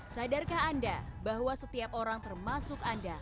sadarkah anda bahwa setiap orang termasuk anda